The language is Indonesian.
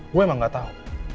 gue emang gak tau